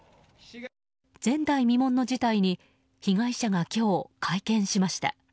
前代未聞の事態に被害者が今日、会見しました。